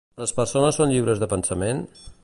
Les persones són lliures de pensament?